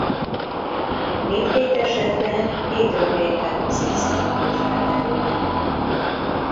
Mindkét esetben hidrogén-peroxid szabadul fel belőle.